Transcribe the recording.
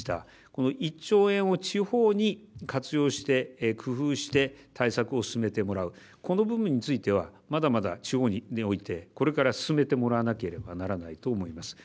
この１兆円を地方に活用して、工夫して対策を進めてもらうこの部分についてはまだまだ地方においてこれから進めてもらわなければならないと思います。